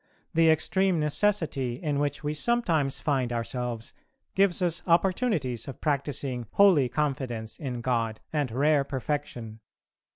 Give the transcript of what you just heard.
The extreme necessity in which we sometimes find ourselves gives us opportunities of practising holy confidence in God and rare perfection.